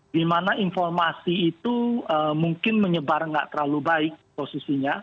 di mana informasi itu mungkin menyebar nggak terlalu baik posisinya